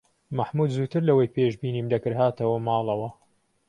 مەحموود زووتر لە ئەوی پێشبینیم دەکرد هاتەوە ماڵەوە.